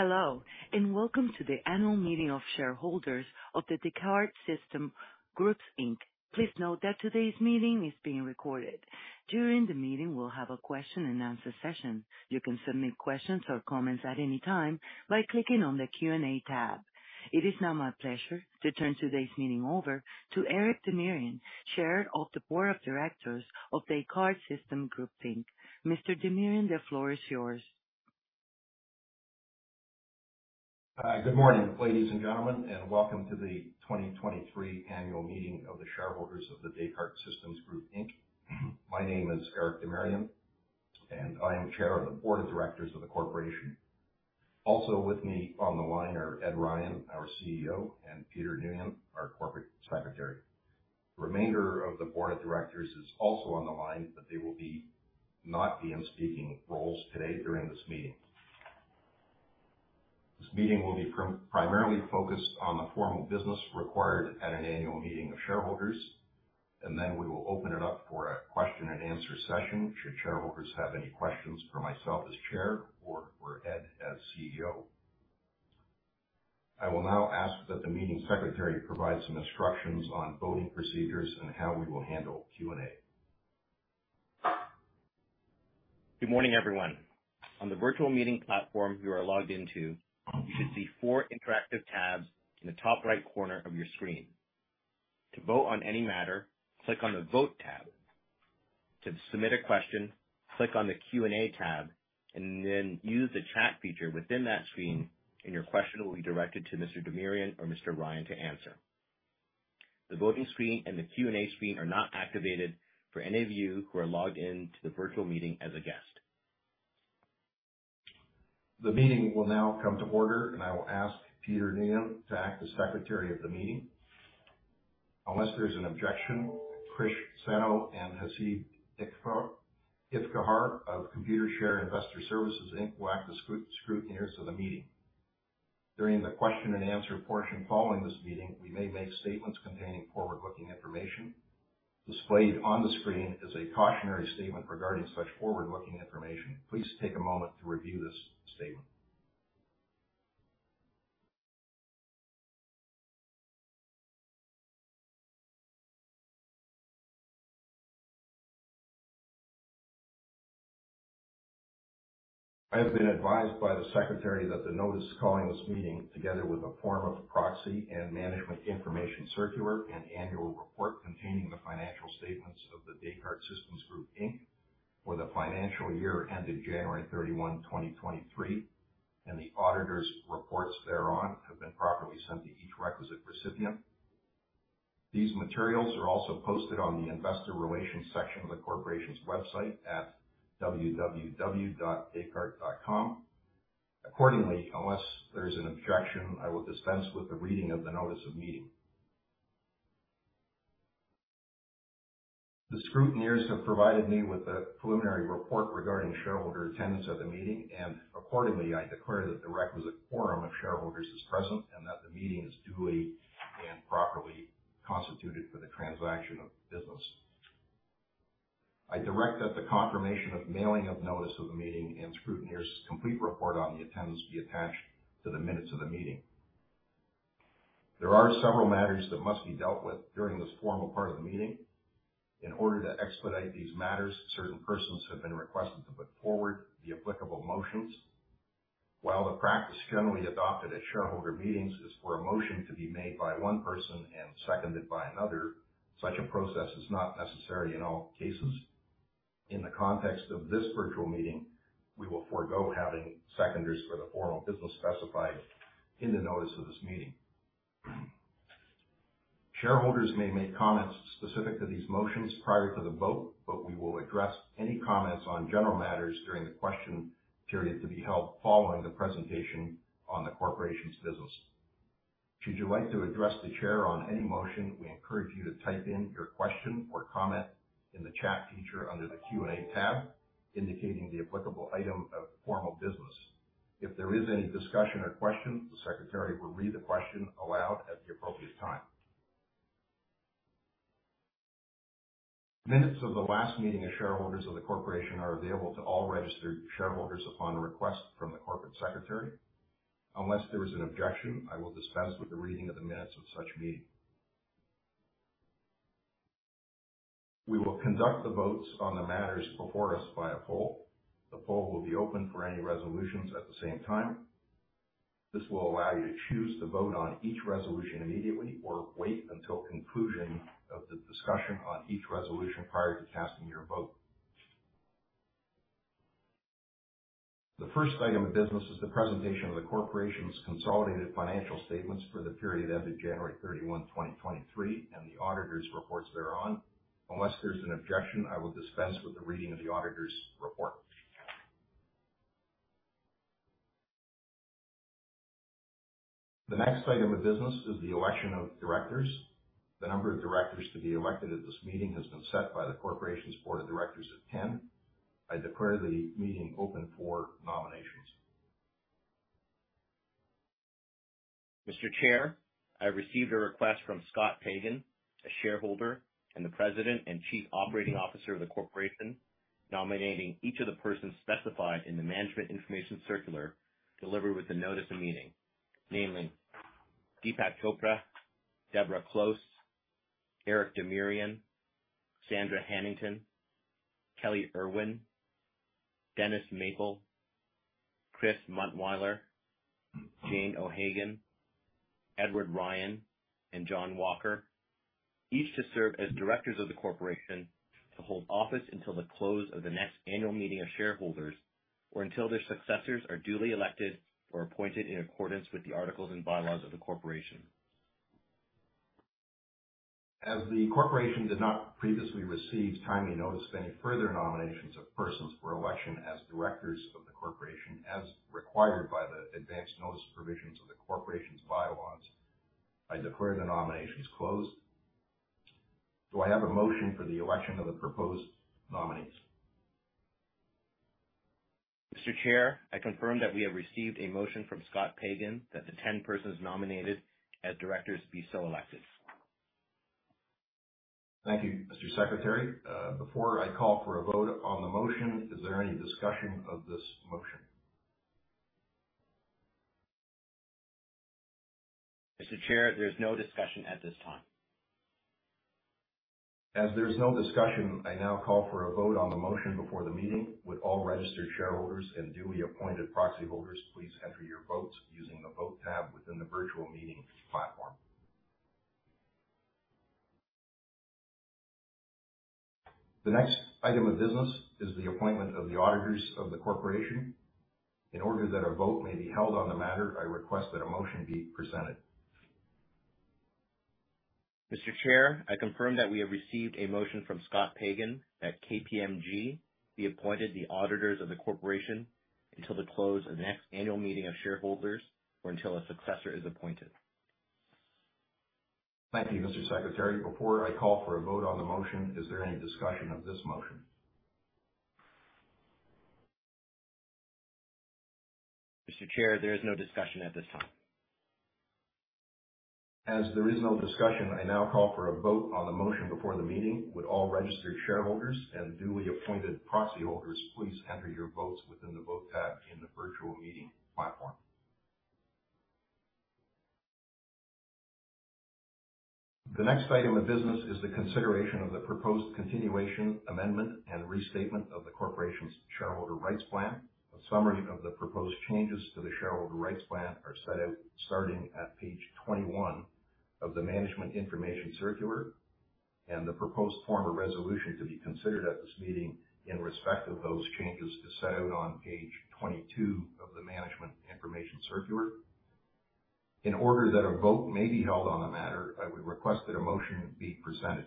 Hello, welcome to the Annual Meeting of Shareholders of The Descartes Systems Group Inc. Please note that today's meeting is being recorded. During the meeting, we'll have a question and answer session. You can submit questions or comments at any time by clicking on the Q&A tab. It is now my pleasure to turn today's meeting over to Eric Demirian, Chair of the Board of Directors of The Descartes Systems Group Inc. Mr. Demirian, the floor is yours. Good morning, ladies and gentlemen, and welcome to the 2023 Annual Meeting of the Shareholders of The Descartes Systems Group Inc. My name is Eric Demirian, and I am Chair of the Board of Directors of the Corporation. Also with me on the line are Ed Ryan, our CEO, and Peter Nguyen, our Corporate Secretary. The remainder of the Board of Directors is also on the line. They will not be in speaking roles today during this meeting. This meeting will be primarily focused on the formal business required at an annual meeting of shareholders. We will open it up for a question and answer session should shareholders have any questions for myself as Chair or Ed as CEO. I will now ask that the Meeting Secretary provide some instructions on voting procedures and how we will handle Q&A. Good morning everyone. On the virtual meeting platform you are logged into, you should see four interactive tabs in the top right corner of your screen. To vote on any matter, click on the Vote tab. To submit a question, click on the Q&A tab and then use the chat feature within that screen, and your question will be directed to Mr. Demirian or Mr. Ryan to answer. The voting screen and the Q&A screen are not activated for any of you who are logged in to the virtual meeting as a guest. The meeting will now come to order and I will ask Peter Nguyen to act as Secretary of the meeting. Unless there's an objection, Krish Sano and Haseeb Iftekhar of Computershare Investor Services Inc. will act as scrutineers of the meeting. During the question and answer portion following this meeting, we may make statements containing forward-looking information. Displayed on the screen is a cautionary statement regarding such forward-looking information. Please take a moment to review this statement. I have been advised by the Secretary that the notice calling this meeting, together with a form of proxy and management information circular and annual report containing the financial statements of The Descartes Systems Group Inc. for the financial year ended January 31, 2023, and the auditors' reports thereon, have been properly sent to each requisite recipient. These materials are also posted on the investor relations section of the corporation's website at www.descartes.com. Accordingly, unless there is an objection, I will dispense with the reading of the notice of meeting. The scrutineers have provided me with a preliminary report regarding shareholder attendance at the meeting, and accordingly, I declare that the requisite quorum of shareholders is present and that the meeting is duly and properly constituted for the transaction of business. I direct that the confirmation of mailing of notice of the meeting and scrutineers' complete report on the attendance be attached to the minutes of the meeting. There are several matters that must be dealt with during this formal part of the meeting. In order to expedite these matters, certain persons have been requested to put forward the applicable motions. While the practice generally adopted at shareholder meetings is for a motion to be made by one person and seconded by another, such a process is not necessary in all cases. In the context of this virtual meeting, we will forgo having seconders for the formal business specified in the notice of this meeting. Shareholders may make comments specific to these motions prior to the vote, but we will address any comments on general matters during the question period to be held following the presentation on the corporation's business. Should you like to address the Chair on any motion, we encourage you to type in your question or comment in the chat feature under the Q&A tab, indicating the applicable item of formal business. If there is any discussion or question, the secretary will read the question aloud at the appropriate time. Minutes of the last meeting of shareholders of the corporation are available to all registered shareholders upon request from the corporate secretary. Unless there is an objection, I will dispense with the reading of the minutes of such meeting. We will conduct the votes on the matters before us by a poll. The poll will be open for any resolutions at the same time. This will allow you to choose to vote on each resolution immediately or wait until conclusion of the discussion on each resolution prior to casting your vote. The first item of business is the presentation of the corporation's consolidated financial statements for the period ended January 31, 2023 and the auditors' reports thereon. Unless there's an objection, I will dispense with the reading of the auditors' report. The next item of business is the election of directors. The number of directors to be elected at this meeting has been set by the corporation's board of directors at 10. I declare the meeting open for nominations. Mr. Chair, I received a request from Scott Pagan, a shareholder and the President and Chief Operating Officer of the corporation, nominating each of the persons specified in the management information circular delivered with the notice of meeting, namely, Deepak Chopra, Deborah Close, Eric Demirian, Sandra Hanington, Kelley Irwin, Dennis Maple, Chris Muntwyler, Jane O'Hagan, Edward Ryan, and John Walker. Each to serve as directors of the corporation to hold office until the close of the next annual meeting of shareholders, or until their successors are duly elected or appointed in accordance with the articles and bylaws of the corporation. As the corporation did not previously receive timely notice of any further nominations of persons for election as directors of the corporation, as required by the advanced notice provisions of the corporation's bylaws, I declare the nominations closed. Do I have a motion for the election of the proposed nominees? Mr. Chair, I confirm that we have received a motion from Scott Pagan that the 10 persons nominated as directors be so elected. Thank you, Mr. Secretary. Before I call for a vote on the motion, is there any discussion of this motion? Mr. Chair, there's no discussion at this time. As there's no discussion, I now call for a vote on the motion before the meeting. Would all registered shareholders and duly appointed proxy holders please enter your votes using the Vote tab within the virtual meeting platform. The next item of business is the appointment of the auditors of the corporation. In order that a vote may be held on the matter, I request that a motion be presented. Mr. Chair, I confirm that we have received a motion from Scott Pagan that KPMG be appointed the auditors of the corporation until the close of the next annual meeting of shareholders or until a successor is appointed. Thank you, Mr. Secretary. Before I call for a vote on the motion, is there any discussion of this motion? Mr. Chair, there is no discussion at this time. As there is no discussion, I now call for a vote on the motion before the meeting. Would all registered shareholders and duly appointed proxy holders, please enter your votes within the Vote tab in the virtual meeting platform. The next item of business is the consideration of the proposed continuation, amendment, and restatement of the corporation's shareholder rights plan. A summary of the proposed changes to the shareholder rights plan are set out starting at page 21 of the management information circular, and the proposed form of resolution to be considered at this meeting in respect of those changes is set out on page 22 of the management information circular. In order that a vote may be held on the matter, I would request that a motion be presented.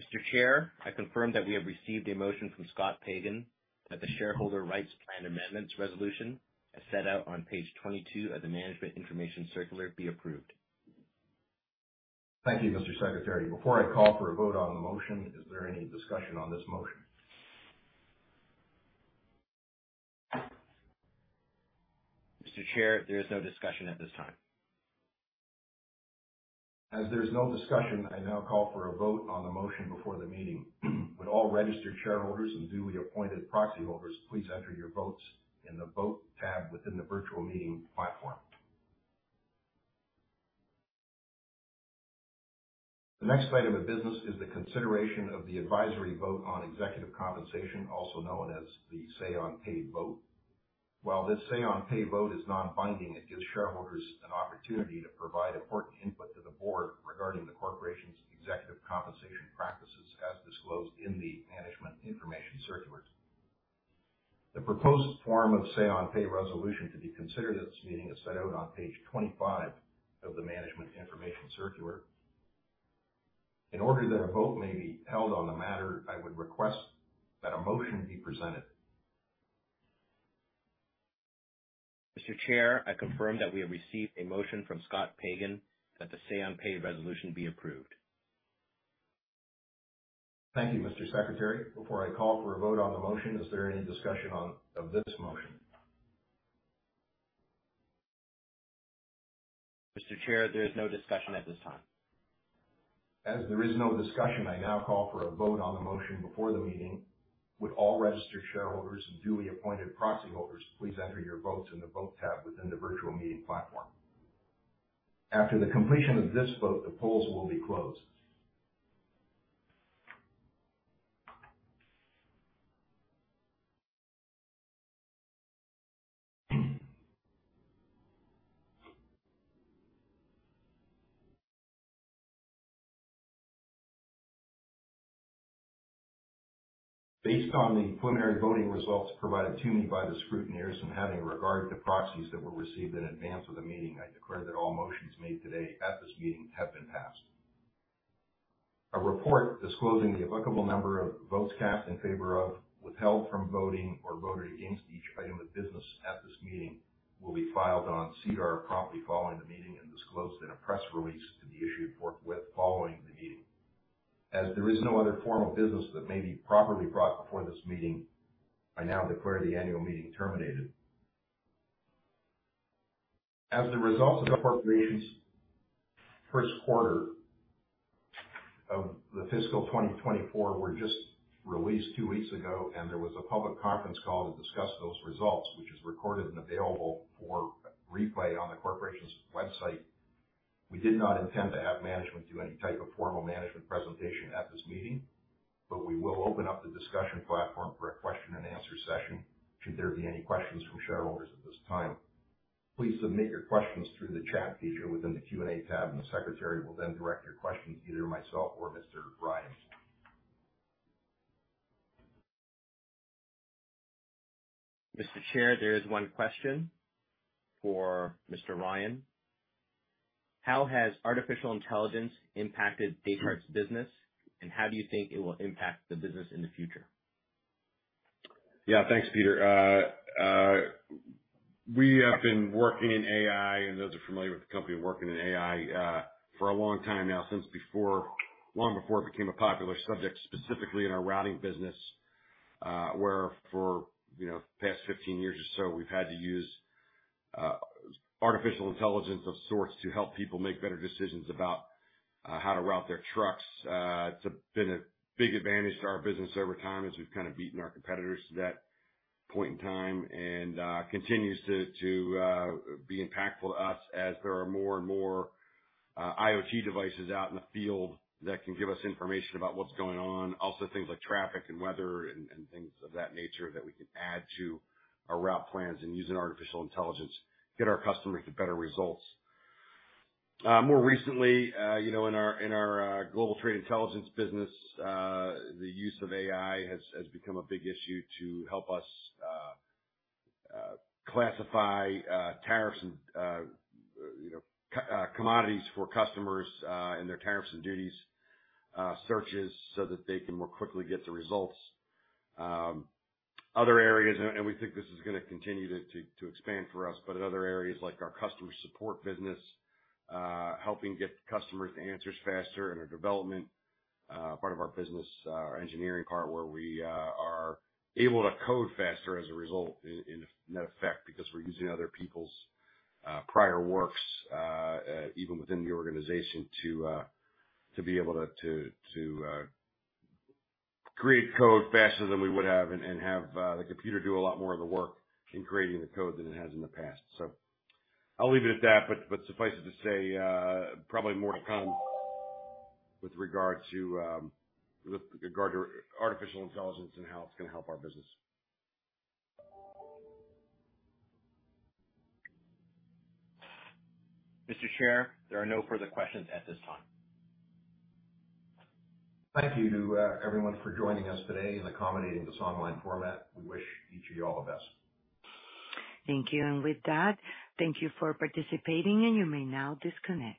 Mr. Chair, I confirm that we have received a motion from Scott Pagan that the shareholder rights plan amendments resolution as set out on page 22 of the management information circular, be approved. Thank you, Mr. Secretary. Before I call for a vote on the motion, is there any discussion on this motion? Mr. Chair, there is no discussion at this time. As there is no discussion, I now call for a vote on the motion before the meeting. Would all registered shareholders and duly appointed proxy holders, please enter your votes in the Vote tab within the virtual meeting platform. The next item of business is the consideration of the advisory vote on executive compensation, also known as the Say-on-Pay vote. While this Say-on-Pay vote is non-binding, it gives shareholders an opportunity to provide important input to the board regarding the corporation's executive compensation practices, as disclosed in the management information circular. The proposed form of Say-on-Pay resolution to be considered at this meeting is set out on page 25 of the management information circular. In order that a vote may be held on the matter, I would request that a motion be presented. Mr. Chair, I confirm that we have received a motion from Scott Pagan that the Say-on-Pay resolution be approved. Thank you, Mr. Secretary. Before I call for a vote on the motion, is there any discussion on, of this motion? Mr. Chair, there is no discussion at this time. As there is no discussion, I now call for a vote on the motion before the meeting. Would all registered shareholders and duly appointed proxy holders, please enter your votes in the Vote tab within the virtual meeting platform. After the completion of this vote, the polls will be closed. Based on the preliminary voting results provided to me by the scrutineers and having regard to proxies that were received in advance of the meeting, I declare that all motions made today at this meeting have been passed. A report disclosing the applicable number of votes cast in favor of, withheld from voting, or voted against each item of business at this meeting, will be filed on SEDAR promptly following the meeting and disclosed in a press release to be issued forthwith following the meeting.... As there is no other form of business that may be properly brought before this meeting, I now declare the annual meeting terminated. As the results of the corporation's first quarter of the fiscal 2024 were just released 2 weeks ago, and there was a public conference call to discuss those results, which is recorded and available for replay on the corporation's website. We did not intend to have management do any type of formal management presentation at this meeting, but we will open up the discussion platform for a question and answer session should there be any questions from shareholders at this time. Please submit your questions through the chat feature within the Q&A tab, and the secretary will then direct your questions to either myself or Mr. Ryan. Mr. Chair, there is one question for Mr. Ryan: How has artificial intelligence impacted Descartes' business, and how do you think it will impact the business in the future? Yeah. Thanks, Peter. We have been working in AI, and those are familiar with the company, working in AI, for a long time now, since before, long before it became a popular subject, specifically in our routing business, where for, you know, the past 15 years or so, we've had to use artificial intelligence of sorts to help people make better decisions about how to route their trucks. It's been a big advantage to our business over time as we've kind of beaten our competitors to that point in time and continues to be impactful to us as there are more and more IoT devices out in the field that can give us information about what's going on. Things like traffic and weather and things of that nature, that we can add to our route plans and using artificial intelligence, get our customers to better results. More recently, you know, in our Global Trade Intelligence business, the use of AI has become a big issue to help us classify tariffs and, you know, commodities for customers in their tariffs and duties searches, so that they can more quickly get the results. Other areas, and we think this is gonna continue to expand for us, but in other areas, like our customer support business, helping get customers answers faster in our development part of our business. Our engineering part, where we are able to code faster as a result in that effect, because we're using other people's prior works, even within the organization, to be able to create code faster than we would have and have the computer do a lot more of the work in creating the code than it has in the past. I'll leave it at that, but suffice it to say, probably more to come with regard to artificial intelligence and how it's going to help our business. Mr. Chair, there are no further questions at this time. Thank you everyone for joining us today and accommodating this online format. We wish each of you all the best. Thank you. With that, thank you for participating and you may now disconnect.